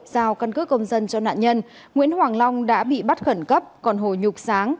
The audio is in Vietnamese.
giao căn cứ công dân cho nạn nhân nguyễn hoàng long đã bị bắt khẩn cấp còn hồ nhục sáng